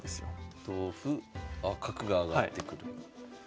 あ角が上がってくる。